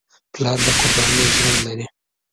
پلار د قربانۍ ژوند لري.